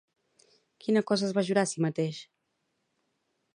Quina cosa es va jurar a si mateix?